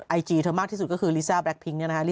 ไอจีเธอมากที่สุดก็คือลิซ่าแบล็คพิ้ง